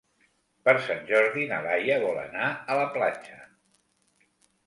Per Sant Jordi na Laia vol anar a la platja.